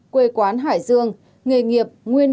quê quán hải dương